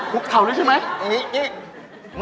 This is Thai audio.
คุกเข่าด้วยใช่ไหม